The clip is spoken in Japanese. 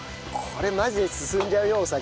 これマジで進んじゃうよお酒。